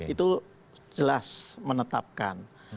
itu jelas menetapkan